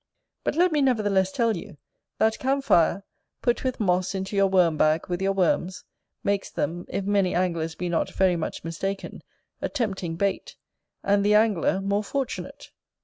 But let me nevertheless tell you, that camphire, put with moss into your worm bag with your worms, makes them, if many anglers be not very much mistaken, a tempting bait, and the angler more fortunate.